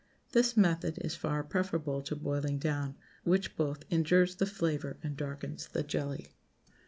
This method is far preferable to boiling down, which both injures the flavor and darkens the jelly.